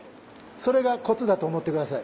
それがコツだと思って下さい。